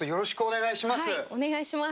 はいお願いします。